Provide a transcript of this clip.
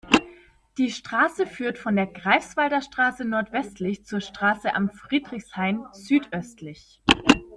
Die Straße führt von der Greifswalder Straße nordwestlich zur Straße Am Friedrichshain südöstlich.